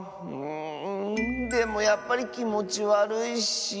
うんでもやっぱりきもちわるいし。